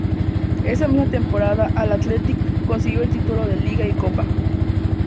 Esa misma temporada el Athletic consiguió el título de Liga y Copa.